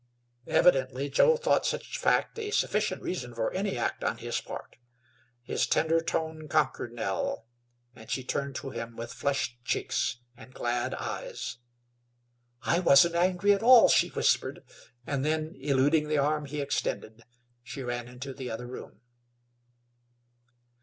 Evidently Joe thought such fact a sufficient reason for any act on his part. His tender tone conquered Nell, and she turned to him with flushed cheeks and glad eyes. "I wasn't angry at all," she whispered, and then, eluding the arm he extended, she ran into the other room.